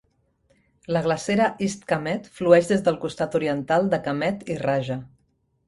La glacera East Kamet flueix des del costat oriental de Kamet i Raja.